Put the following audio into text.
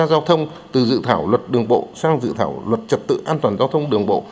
giao thông từ dự thảo luật đường bộ sang dự thảo luật trật tự an toàn giao thông đường bộ